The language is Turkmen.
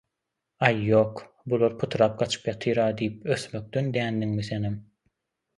“Aý ýok bular pytrap gaçyp ýatyra” diýip ösmekden dändiňmi senem?